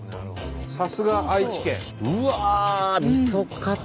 さすが愛知県。